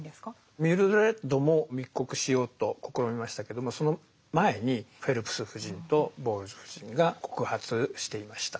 ミルドレッドも密告しようと試みましたけどもその前にフェルプス夫人とボウルズ夫人が告発していました。